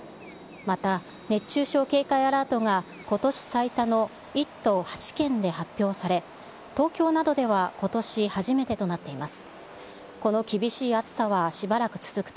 また熱中症警戒アラートがことし最多の１都８県で発表され、東京などではことし初めてとなっています。